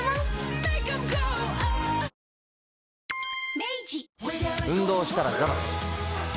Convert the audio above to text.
明治運動したらザバス。